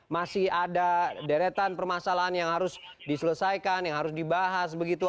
masih ada deretan permasalahan yang harus diselesaikan yang harus dibahas begitu